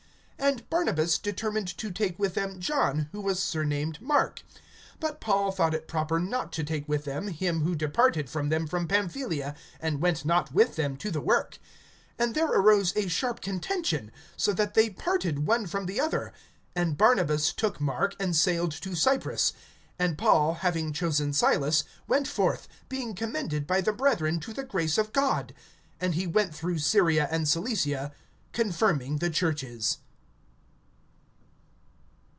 (37)And Barnabas determined to take with them John, who was surnamed Mark. (38)But Paul thought it proper not to take with them him who departed from them from Pamphylia, and went not with them to the work. (39)And there arose a sharp contention, so that they parted one from the other, and Barnabas took Mark, and sailed to Cyprus. (40)And Paul, having chosen Silas, went forth, being commended by the brethren to the grace of God. (41)And he went through Syria and Cilicia, confirming the churches.